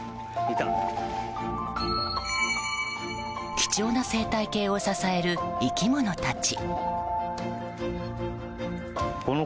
貴重な生態系を支える生き物たち。